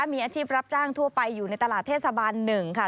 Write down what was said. มีอาชีพรับจ้างทั่วไปอยู่ในตลาดเทศบาล๑ค่ะ